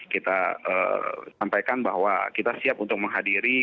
kita sampaikan bahwa kita siap untuk menghadiri